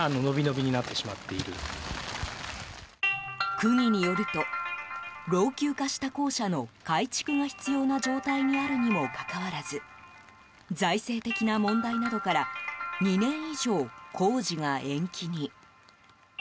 区議によると老朽化した校舎の改築が必要な状態にあるにもかかわらず財政的な問題などから２年以上、工事が延期に。